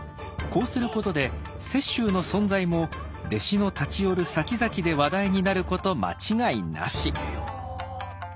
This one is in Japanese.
こうすることで雪舟の存在も弟子の立ち寄るさきざきで話題になること間違いなし。